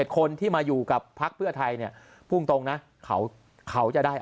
คนที่มาอยู่กับพักเพื่อไทยเนี่ยพูดตรงนะเขาจะได้